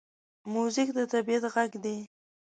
موزیک د طبعیت غږ دی.